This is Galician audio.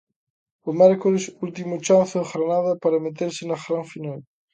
O mércores, último chanzo en Granada para meterse na gran final.